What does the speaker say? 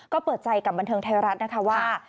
ก็เปิดใจกับบันเทิงไทยรัฐนะคะว่า